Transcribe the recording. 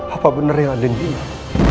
apa bener yang endin bilang